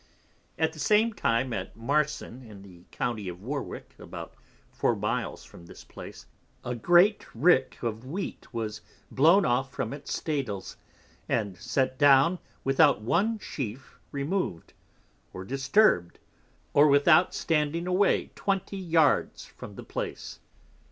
At the same time at Marson, in the County of Warwick, about 4 Miles from this place, a great Rick of Wheat was blown off from its Staddles, and set down without one Sheaf remov'd, or disturb'd, or without standing away 20 Yards from the place.